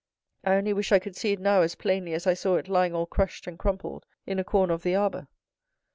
I only wish I could see it now as plainly as I saw it lying all crushed and crumpled in a corner of the arbor."